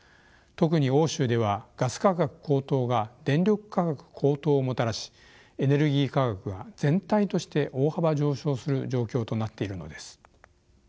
特に欧州ではガス価格高騰が電力価格高騰をもたらしエネルギー価格が全体として大幅上昇する状況となっているのです。